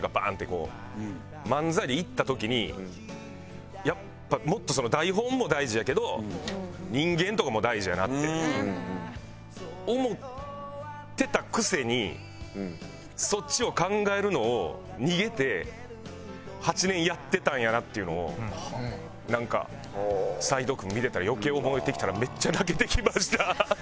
こう漫才でいった時にやっぱもっと台本も大事やけど人間とかも大事やなって思ってたくせにそっちを考えるのを逃げて８年やってたんやなっていうのをなんか斎藤君見てたら余計思えてきたらめっちゃ泣けてきました。